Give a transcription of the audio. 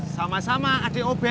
sama sama adik obet